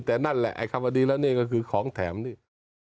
แต่นั่นแหละไอ้คำว่าดีแล้วนี่ก็คือของแถมนี่